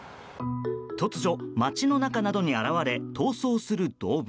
突如、街の中などに現れ逃走する動物。